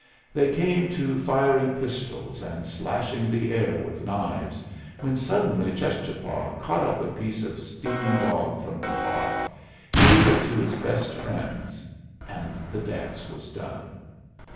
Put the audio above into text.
They came to firing pistols and slashing the air with knives, when suddenly Cheschapah caught up a piece of steaming dog from the pot, gave it to his best friend, and the dance was done.